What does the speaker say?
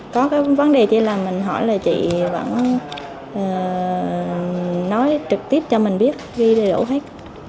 có cái vấn đề chỉ là mình hỏi là chị vẫn nói trực tiếp cho mình biết ghi đủ hết